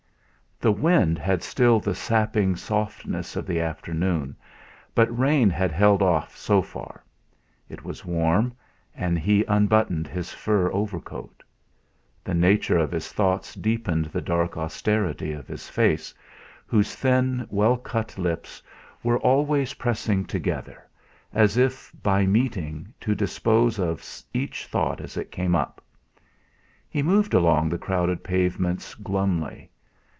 The wind had still the sapping softness of the afternoon, but rain had held off so far. It was warm, and he unbuttoned his fur overcoat. The nature of his thoughts deepened the dark austerity of his face, whose thin, well cut lips were always pressing together, as if, by meeting, to dispose of each thought as it came up. He moved along the crowded pavements glumly.